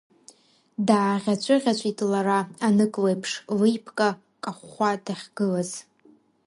Дааӷьаҵәыӷьаҵәит лара, анык леиԥш, леиԥка кахәхәа дахьгылаз.